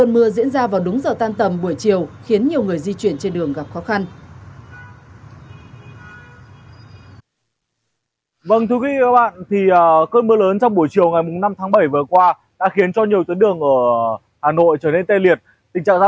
mưa lớn trong thời gian ngắn khiến nhiều tuyến đường ngập úng cục bộ